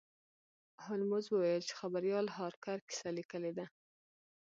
هولمز وویل چې خبریال هارکر کیسه لیکلې ده.